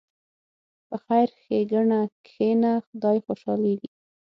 په خیر ښېګڼه کښېنه، خدای خوشحالېږي.